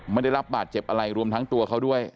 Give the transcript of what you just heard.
ไม่ได้รับบาดเจ็บอะไรรวมทั้งตัวเขาด้วย